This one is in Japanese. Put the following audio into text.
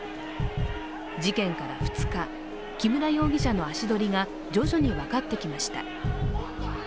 事件から２日、木村容疑者の足取りが徐々に分かってきました。